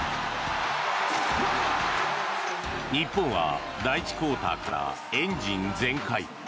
日本は第１クオーターからエンジン全開。